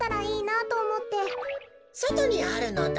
そとにあるのだ。